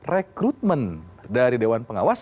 rekrutmen dari dewan pengawas